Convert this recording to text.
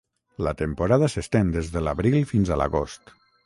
La temporada s'estén des de l'abril fins a l'agost.